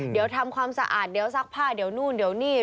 เดี๋ยวทำความสะอาดเดี๋ยวซักผ้าเดี๋ยวนู่นเดี๋ยวนี่